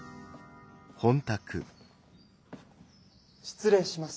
失礼します。